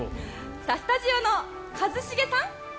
スタジオの一茂さん？